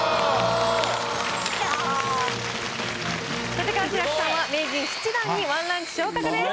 立川志らくさんは名人７段に１ランク昇格です。